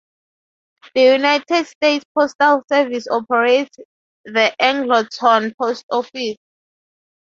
The United States Postal Service operates the Angleton Post Office.